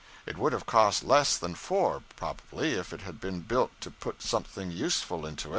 It would have cost less than four, probably, if it had been built to put something useful into.